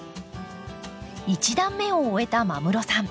１段目を終えた間室さん